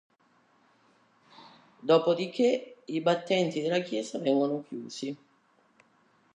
Dopodiché, i battenti della chiesa vengono chiusi.